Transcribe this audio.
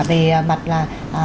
về mặt là